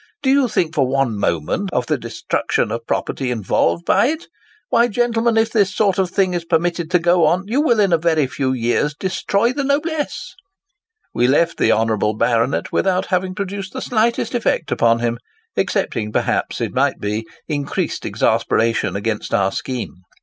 Do you think for one moment of the destruction of property involved by it? Why, gentlemen, if this sort of thing be permitted to go on, you will in a very few years destroy the noblesse!' We left the honourable baronet without having produced the slightest effect upon him, excepting perhaps, it might be, increased exasperation against our scheme.